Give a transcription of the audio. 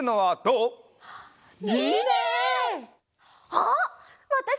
あわたし